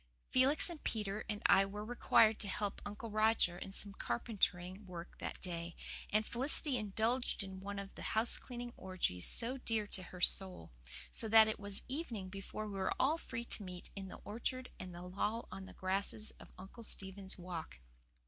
Felix and Peter and I were required to help Uncle Roger in some carpentering work that day, and Felicity indulged in one of the house cleaning orgies so dear to her soul; so that it was evening before we were all free to meet in the orchard and loll on the grasses of Uncle Stephen's Walk.